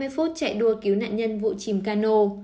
ba mươi phút chạy đua cứu nạn nhân vụ chìm cano